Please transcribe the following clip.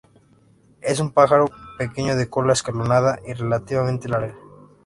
Es un pájaro pequeño de cola escalonada y relativamente larga.